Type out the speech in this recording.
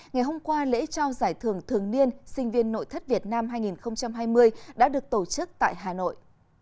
ngày hôm qua lễ trao giải thưởng thường niên sinh viên nội thất việt nam hai nghìn hai mươi đã được tổ chức tại hà nội